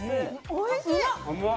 おいしい！